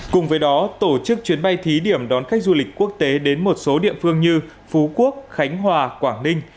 cùng với đó tổ chức chuyến bay thí điểm đón khách du lịch quốc tế đến một số địa phương như phú quốc khánh hòa quảng ninh